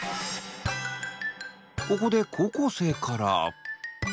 ここで高校生から。